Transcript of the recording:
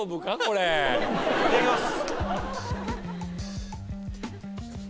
いただきます！